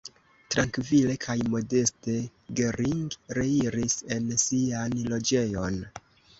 Trankvile kaj modeste Gering reiris en sian loĝejon.